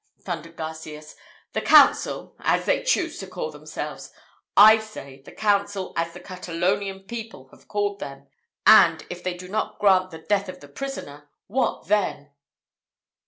thundered Garcias. "The council, as they choose to call themselves! I say, the council as the Catalonian people have called them and if they do not grant the death of the prisoner, what then?"